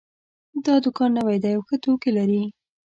دا دوکان نوی ده او ښه توکي لري